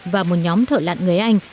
và một nhóm thợ lạn người anh